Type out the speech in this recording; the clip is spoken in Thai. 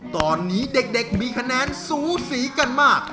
ตอนนี้เด็กมีคะแนนสูสีกันมาก